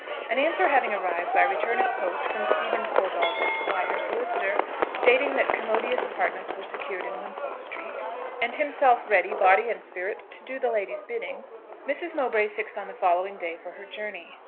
An answer having arrived by return of post from Stephen Corbold, Esq., solicitor, stating that commodious apartments were secured in Wimpole street, and himself ready, body and spirit, to do the lady's bidding, Mrs. Mowbray fixed on the following day for her journey.